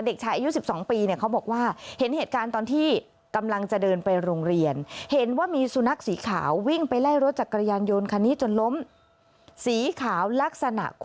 เด็กชายอายุ๑๒ปีเขาบอกว่าเห็นเหตุการณ์ตอนที่กำลังจะเดินไปโรงเรียน